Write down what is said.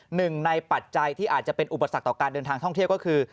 หนึ่งในปัจจัยที่อาจจะเป็นอุปสรรคต่อการเดินทางท่องเที่ยวก็คือ